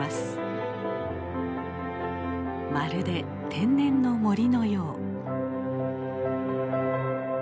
まるで天然の森のよう。